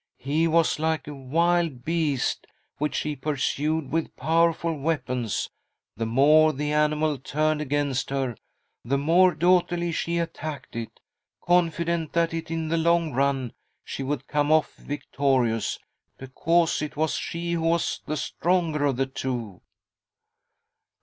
He was like a wild beast which she pursued with powerful weapons — the more the animal turned against her, the more doughtily she attacked it, confident that in the long run she would come off victorious, because it was she who was the stronger of the two."